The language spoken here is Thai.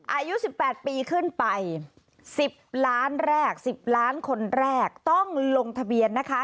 อายุ๑๘ปีขึ้นไป๑๐ล้านคนแรกต้องลงทะเบียนนะคะ